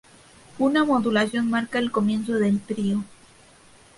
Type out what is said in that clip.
Una modulación marca el comienzo del trío.